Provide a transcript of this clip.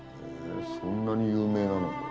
そんなに有名なのか？